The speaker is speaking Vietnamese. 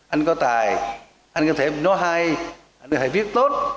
anh có tài anh có thể nói hay anh có thể viết tốt